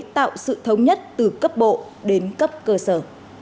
tạo sự thống nhất từ cấp bộ đến cấp cơ sở